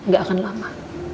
gak akan lama